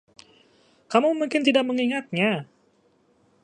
Kamu mungkin tidak mengingatnya.